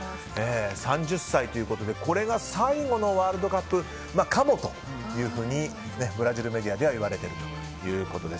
３０歳ということで、これが最後のワールドカップかもとブラジルメディアではいわれているということです。